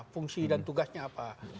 fungsi dan tugasnya apa